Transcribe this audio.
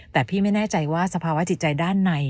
แต่พี่ไม่แน่ใจว่าสภาวะจิตใจด้านใน